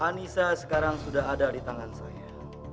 anissa sekarang sudah ada di tangan saya